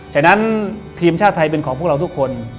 ฉะนั้นทีมชาติไทยเป็นของพวกเราทุกคน